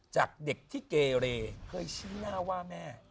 จากเด็กที่เกเรเคยชี้หน้าว่าแม่